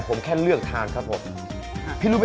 เพราะฉะนั้นถ้าใครอยากทานเปรี้ยวเหมือนโป้แตก